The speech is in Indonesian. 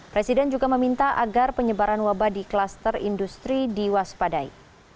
presiden juga meminta agar penyebaran wabah di kluster industri diwaspadai